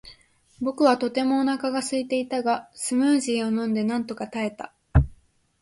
僕はとてもお腹がすいていたが、スムージーを飲んでなんとか耐えた。